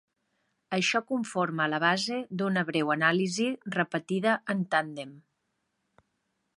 Això conforma la base d'una breu anàlisi repetida en tàndem.